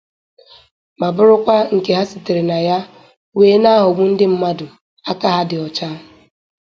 ma bụrụkwa nke ha sitere na ya wee na-aghọgbu ndị mmadụ aka ha dị ọcha